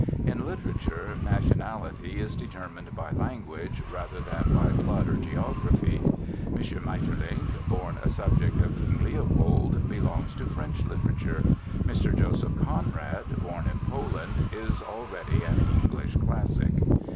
In literature nationality is determined by language rather than by blood or geography. M. Maeterlinck, born a subject of King Leopold, belongs to French literature. Mr. Joseph Conrad, born in Poland, is already an English classic.